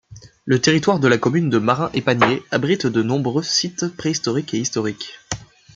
Le territoire de la commune de Marin-Epagnier abrite de nombreux sites préhistoriques et historiques.